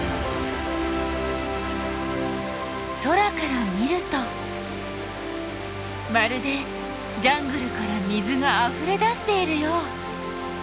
空から見るとまるでジャングルから水があふれ出しているよう。